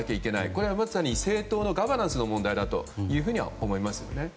これはまさに政党のガバナンスの問題だと思いますよね。